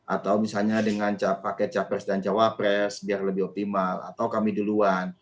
atau misalnya dengan paket capres dan cawapres biar lebih optimal atau kami duluan